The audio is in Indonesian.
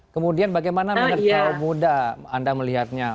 kemudian bagaimana menurut kaum muda anda melihatnya